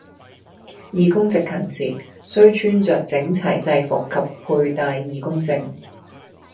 義工值勤時，須穿著整齊制服及佩戴義工證